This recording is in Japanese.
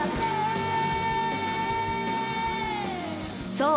［そう。